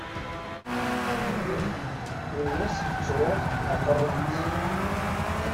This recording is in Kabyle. Yiwen ur as-yettruẓ aqerruy-is.